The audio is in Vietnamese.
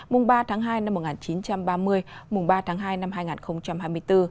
mùng ba tháng hai năm một nghìn chín trăm ba mươi mùng ba tháng hai năm hai nghìn hai mươi bốn